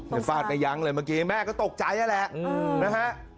เห็นฟาดใกล้ยั้งเลยเมื่อกี้แม่ก็ตกใจแล้วแหละนะฮะ